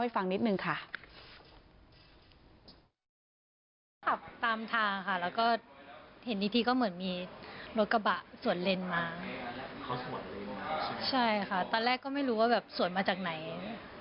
ใช่ค่ะตอนแรกก็ไม่รู้แบบสวนมาจากไหนสุดว่าเค้ารอยมาใช่ค่ะตอนแรกก็ไม่รู้แบบสวนมาจากไหนสุดว่าเค้ารอยมา